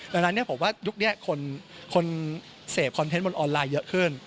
ดังนั้นผมว่ายุคนี้คนเสพคอนเทนต์บนออนไลน์เยอะขึ้น